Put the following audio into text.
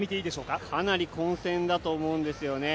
かなり混戦だと思うんですよね。